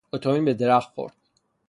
اتومبیل به درخت خورد.